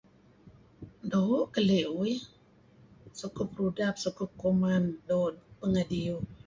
Doo' keli' uih, sukup rudap sukup kuman doo' pengeh diyu'.